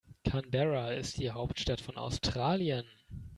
Canberra ist die Hauptstadt von Australien.